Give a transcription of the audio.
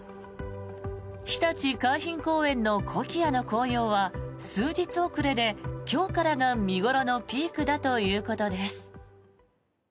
ひたち海浜公園のコキアの紅葉は数日遅れで今日からが見頃のピークだということです。